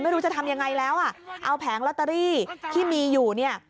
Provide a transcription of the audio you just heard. ไม่รู้จะทำอย่างไรแล้วเอาแผงลอตเตอรี่ที่มีอยู่